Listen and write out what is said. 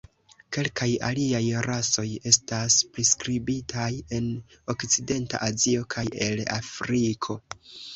Kelkaj aliaj rasoj estas priskribitaj en Okcidenta Azio kaj el Afriko.